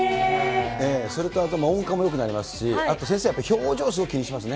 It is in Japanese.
それと、音感もよくなりますし、あと先生やっぱり、表情すごく気にされますね。